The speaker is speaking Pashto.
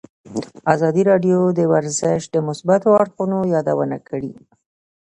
ازادي راډیو د ورزش د مثبتو اړخونو یادونه کړې.